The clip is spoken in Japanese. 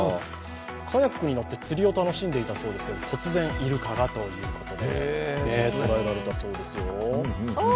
カヤックに乗って釣りを楽しんでいたそうですが突然、イルカがということで捉えられたそうですよ